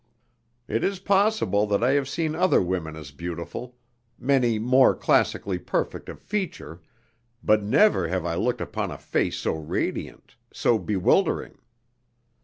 It is possible that I have seen other women as beautiful, many more classically perfect of feature, but never have I looked upon a face so radiant, so bewildering.